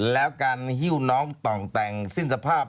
แล้วการหิ้วน้องต่องแต่งสิ้นสภาพ